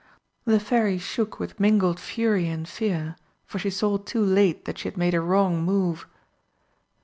The Fairy shook with mingled fury and fear, for she saw too late that she had made a wrong move.